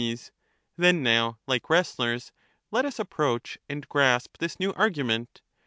Soc. Then now, like wrestlers, let us approach and grasp this new argument.